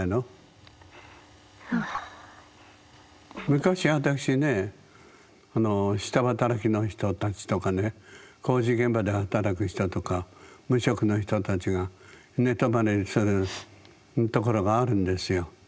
昔私ね下働きの人たちとかね工事現場で働く人とか無職の人たちが寝泊まりするところがあるんですよ。